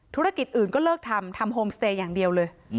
ธุรกิจอื่นก็เลิกทำทำโฮมสเตย์อย่างเดียวเลย